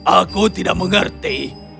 aku tidak mengerti